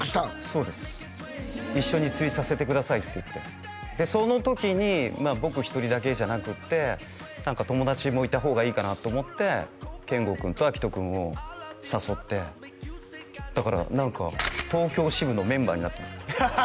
そうです「一緒に釣りさせてください」って言ってその時に僕一人だけじゃなくって何か友達もいた方がいいかなと思ってケンゴ君とアキト君を誘ってだから何か東京支部のメンバーになってます